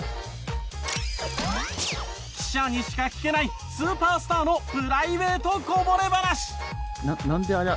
記者にしか聞けないスーパースターのプライベートこぼれ話。